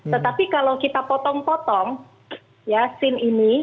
tetapi kalau kita potong potong ya scene ini